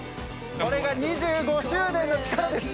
これが２５周年の力です！